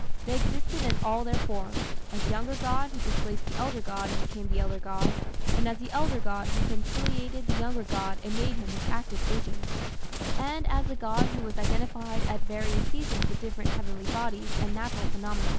They existed in all their forms as the younger god who displaced the elder god and became the elder god, and as the elder god who conciliated the younger god and made him his active agent; and as the god who was identified at various seasons with different heavenly bodies and natural phenomena.